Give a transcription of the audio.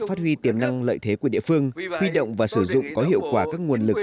phát huy tiềm năng lợi thế của địa phương huy động và sử dụng có hiệu quả các nguồn lực